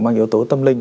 mang yếu tố tâm linh